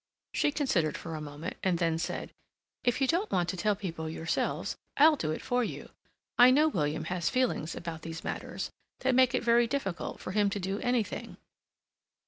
She considered for a moment, and then said: "If you don't want to tell people yourselves, I'll do it for you. I know William has feelings about these matters that make it very difficult for him to do anything."